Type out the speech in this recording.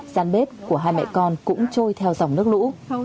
giàn bếp của hai mẹ con cũng trôi theo dòng nước lũ